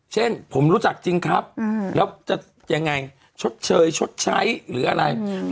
เช่นผมรู้จักจริงครับแล้วจะยังไงชดเชยชดใช้หรืออะไร